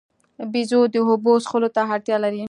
بیزو د اوبو څښلو ته اړتیا لري.